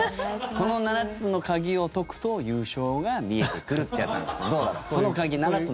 この７つの鍵を解くと、優勝が見えてくるってやつなんです。